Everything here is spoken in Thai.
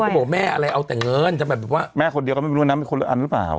เขาบอกแม่อะไรเอาแต่เงินแต่แบบว่าแม่คนเดียวก็ไม่รู้ว่านั้นมีคนอื่นหรือเปล่า